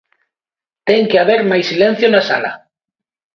Ten que haber máis silencio na sala.